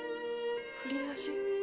振り出し？